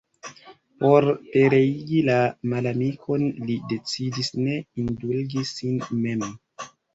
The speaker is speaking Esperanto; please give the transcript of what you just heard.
Por pereigi la malamikon, li decidis ne indulgi sin mem.